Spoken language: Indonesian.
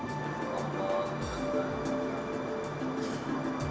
malam masih panjang tapi kesibukan justru baru dimulai di kri surabaya